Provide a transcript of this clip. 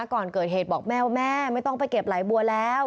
ก่อนเกิดเหตุบอกแม่ว่าแม่ไม่ต้องไปเก็บหลายบัวแล้ว